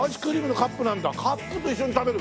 カップと一緒に食べる。